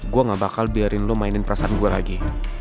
gue gak bakal biarin lu mainin perasaan gue lagi